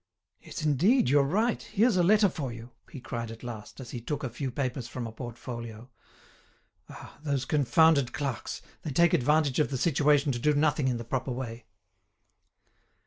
"Yes, indeed, you're right, here's a letter for you," he cried at last, as he took a few papers from a portfolio. "Ah! those confounded clerks, they take advantage of the situation to do nothing in the proper way."